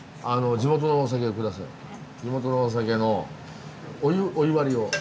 地元のお酒のお湯割りを。